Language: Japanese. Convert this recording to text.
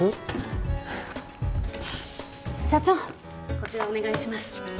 こちらお願いします